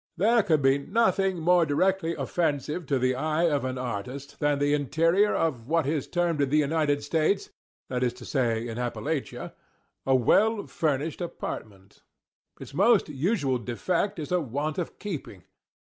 There could be nothing more directly offensive to the eye of an artist than the interior of what is termed in the United States—that is to say, in Appallachia—a well furnished apartment. Its most usual defect is a want of keeping.